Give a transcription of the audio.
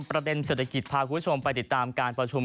ประเด็นเศรษฐกิจพาคุณผู้ชมไปติดตามการประชุม